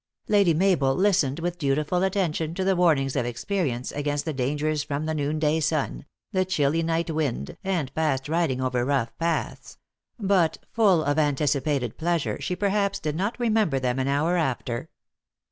Lady Mabel listened with dutiful attention to the warnings of experience against the dangers from the noonday sun, the chilly night wind, and fast riding over rough paths ; but, full of anticipated pleasure, she perhaps did not remember them an hour after.